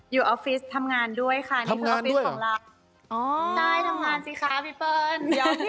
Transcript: อยู่ออฟฟิศทำงานด้วยค่ะทำงานด้วยหรอนี่คือออฟฟิศของเราได้ทำงานสิค่ะพี่เปิ้ล